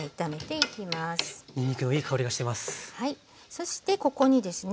そしてここにですね